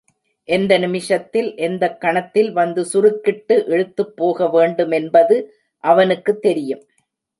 எந்த நிமிஷத்தில், எந்தக் கணத்தில் வந்து சுருக்கிட்டு இழுத்துப் போக வேண்டுமென்பது அவனுக்குத் தெரியும்.